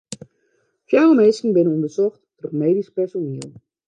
Fjouwer minsken binne ûndersocht troch medysk personiel.